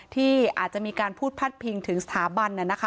ที่อาจจะมีการพูดพัดพิงถึงสถาบัน